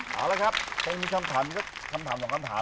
เอาล่ะครับถ้ามีคำถาม๒๔คำถามมา